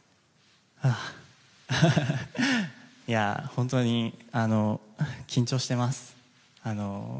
本当に緊張しています。